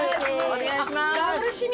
お願いします。